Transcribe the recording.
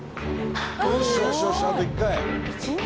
あと１回！